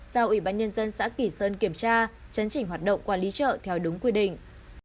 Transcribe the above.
giao ubnd xã kỷ sơn kiểm tra chấn chỉnh hoạt động quản lý chợ theo đúng quy định